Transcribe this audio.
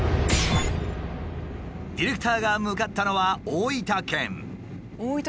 ディレクターが向かったのは大分県。